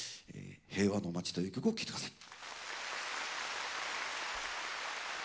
「平和の街」という曲を聴いて下さい。